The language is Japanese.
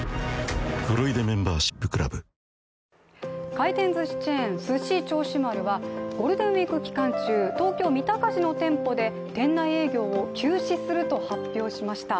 回転ずしチェーンすし銚子丸はゴールデンウイーク期間中、東京・三鷹市の店舗で店内営業を休止すると発表しました。